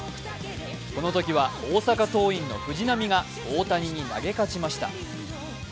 このときは大阪桐蔭の藤浪が大谷に投げ勝ちました。